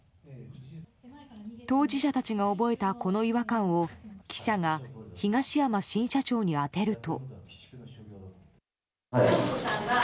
当事者たちが覚えたこの違和感を記者が東山新社長に当てると。